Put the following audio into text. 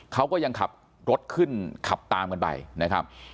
เขาก็ยังขับรถขึ้นขับตามกันไปนะครับ